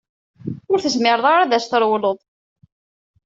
Ur tezmireḍ ara ad s-trewleḍ.